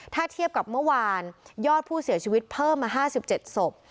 ถ้าเทียบกับเมื่อวานยอดผู้เสียชีวิตเพิ่มมา๕๗ศพ